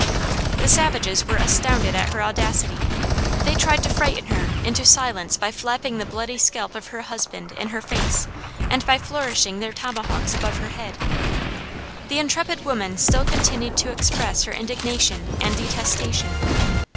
The savages were astounded at her audacity; they tried to frighten her into silence by flapping the bloody scalp of her husband in her face and by flourishing their tomahawks above her head. The intrepid woman still continued to express her indignation and detestation.